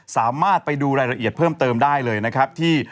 สามารถไปดูรายละเอียดเพิ่มเติมได้เลยนะครับที่